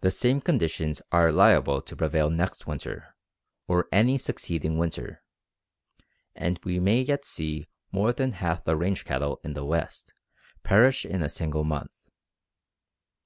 The same conditions are liable to prevail next winter, or any succeeding winter, and we may yet see more than half the range cattle in the West perish in a single month.